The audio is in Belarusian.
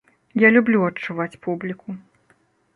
Я люблю адчуваць публіку.